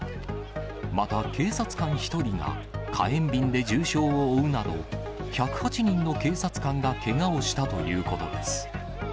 また警察官１人が火炎瓶で重傷を負うなど、１０８人の警察官がけがをしたということです。